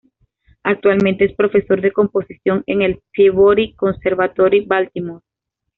Actualmente es profesor de composición en el Peabody Conservatory, Baltimore.